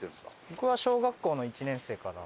僕は小学校の１年生から。